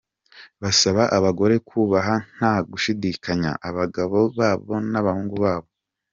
Basaba abagore kubaha nta gushidikanya, abagabo babo n’abahungu babo.